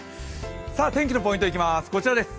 天気のポイントいきます